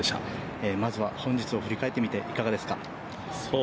まずは本日を振り返ってみて、いかがですか？